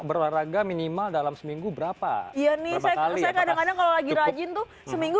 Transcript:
berolahraga minimal dalam seminggu berapa iya nih saya kalau saya kadang kadang kalau lagi rajin tuh seminggu